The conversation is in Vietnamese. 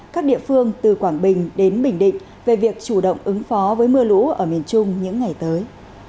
các địa phương từ quảng bình đến bình định về việc chủ động ứng phó với mưa lũ ở miền trung những ngày tới